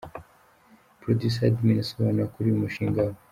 Producer Admin asobanura kuri uyu mushinga we.